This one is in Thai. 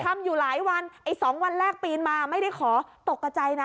ทำอยู่หลายวันไอ้สองวันแรกปีนมาไม่ได้ขอตกกระใจนะ